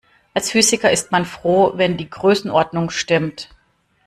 Als Physiker ist man froh, wenn die Größenordnung stimmt.